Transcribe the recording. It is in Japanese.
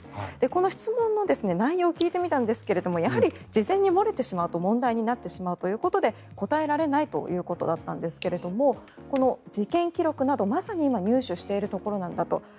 この質問の内容を聞いてみたんですがやはり事前に漏れてしまうと問題になってしまうというととで答えられないということだったんですが事件記録など、まさに今入手しているところなんだと。